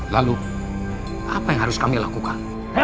lalu apa yang harus kami lakukan